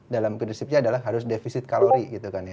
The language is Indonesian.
dalam prinsipnya adalah harus defisit kalori gitu kan ya